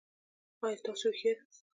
ایا تاسو هوښیار یاست؟